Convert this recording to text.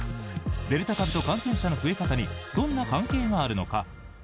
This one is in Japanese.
デルタ株と感染者の増え方にどんな関係があるのか？